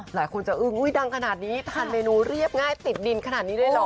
หลายคนจะอึ้งอุ๊ยดังขนาดนี้ทานเมนูเรียบง่ายติดดินขนาดนี้เลยเหรอ